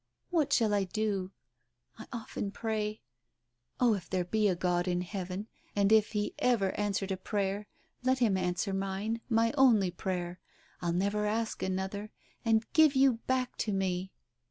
... What shall I do? ... I often pray, .•. Oh, if there be a God in heaven, and if He ever answered a prayer, let Him answer mine — my only prayer. I'll never ask another — and give you back to me